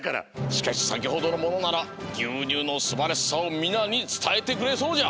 しかしさきほどのものならぎゅうにゅうのすばらしさをみなにつたえてくれそうじゃ。